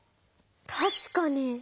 たしかに。